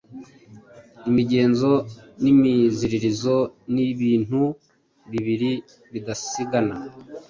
Imigenzo n’imiziririzo ni ibintu bibiri bidasigana.